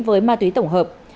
với ma túy tổng hợp